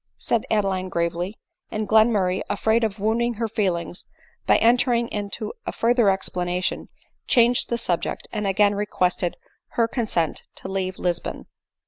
said Adeline grave ly; and Glenmurray afraid of wounding her feelings by entering into a further explanation, changed the subject, and again requested her consent to leave Lisbon.